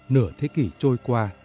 nửa thế kỷ trôi qua